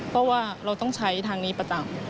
เพราะว่าเราต้องใช้ทางนี้ประจำ